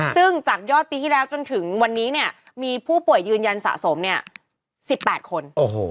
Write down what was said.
ซึ่งจากยอดปีที่แล้วจนถึงวันนี้เนี่ยมีผู้ป่วยยืนยันสะสม๑๘คน